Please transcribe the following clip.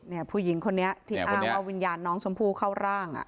ผู้หญิงคนนี้ที่อ้างว่าวิญญาณน้องชมพู่เข้าร่างอ่ะ